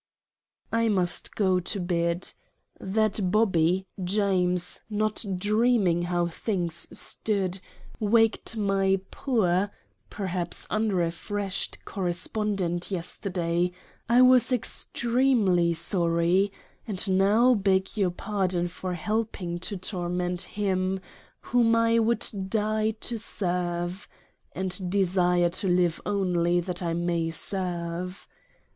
I must go to bed. That Booby, James, not dreaming how things stood; waked my poor — perhaps unrefreshed correspondent yesterday; I was extremely sorry, and now beg your Pardon for helping to torment him whom I would die to serve and desire to live only that I may serve.